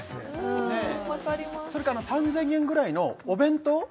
それか３０００円ぐらいのお弁当